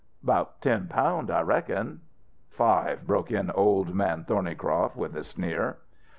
"About ten pound. I reckon." "Five," broke in Old Man Thornycroft with a sneer.